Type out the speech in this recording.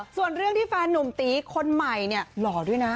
ส่วนเรื่องที่แฟนนุ่มตีคนใหม่เนี่ยหล่อด้วยนะ